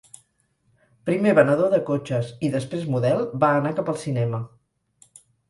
Primer venedor de cotxes i, després model, va anar cap al cinema.